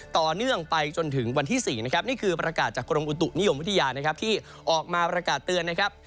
ต่อเนื่องไปจนถึงวันที่๔นะครับนี่คือประกาศจากกรมอุตุนิยมวิทยานะครับที่ออกมาประกาศเตือนนะครับ